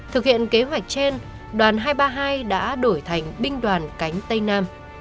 hướng tây nam